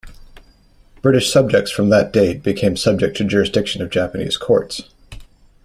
British subjects from that date became subject to the jurisdiction of Japanese courts.